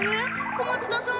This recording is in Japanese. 小松田さん。